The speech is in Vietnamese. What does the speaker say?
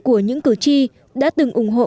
của những cử tri đã từng ủng hộ